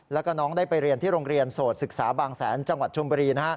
แล้วก็น้องได้ไปเรียนที่โรงเรียนโสดศึกษาบางแสนจังหวัดชมบุรี